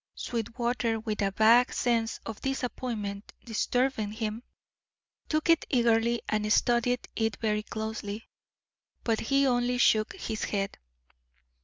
Sweetwater, with a vague sense of disappointment disturbing him, took it eagerly and studied it very closely. But he only shook his head.